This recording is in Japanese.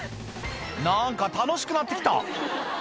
「なんか楽しくなって来た」